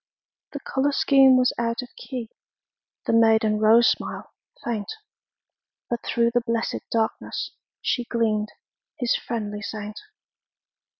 The color scheme was out of key, The maiden rose smile faint, But through the blessed darkness She gleamed, his friendly saint.